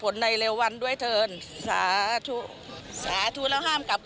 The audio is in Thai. สาโชค